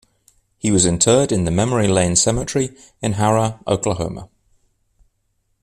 He was interred in the Memory Lane Cemetery in Harrah, Oklahoma.